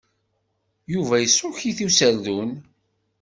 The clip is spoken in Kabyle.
Yuba iṣukk-it userdun.